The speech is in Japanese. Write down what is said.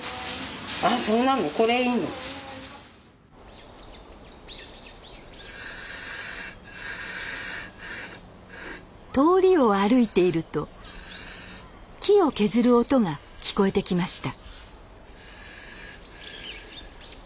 あそうなのこれいいの。通りを歩いていると木を削る音が聞こえてきました